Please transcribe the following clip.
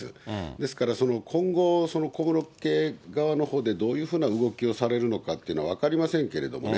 ですから、今後、小室家側のほうでどういうふうな動きをされるのかっていうのは分かりませんけれどもね。